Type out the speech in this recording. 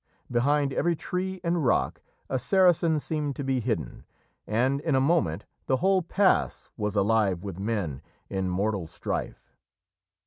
Behind every tree and rock a Saracen seemed to be hidden, and in a moment the whole pass was alive with men in mortal strife.